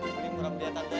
beli murah beli tante ya